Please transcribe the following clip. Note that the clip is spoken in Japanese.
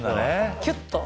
キュッと。